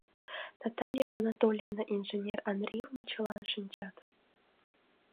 Наталья Анатольевна, инженер Андреевым чылан шинчат.